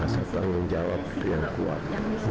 masa tanggung jawab yang kuat